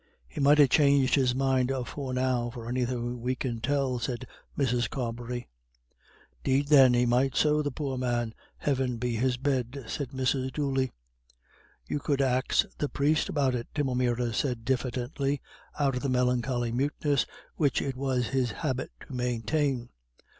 "He might ha' changed his mind afore now, for anythin' we can tell," said Mrs. Carbery. "'Deed, then, he might so, the poor man, Heaven be his bed," said Mrs. Dooley. "You could ax the priest about it," Tim O'Meara said diffidently, out of the melancholy muteness which it was his habit to maintain.